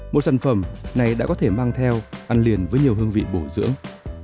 một sản phẩm này đã có thể mang theo ăn liền với nhiều hương vị bổ dưỡng